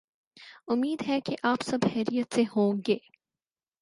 امید ہے کہ آپ سب خیریت سے ہوں گے۔